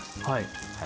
はい。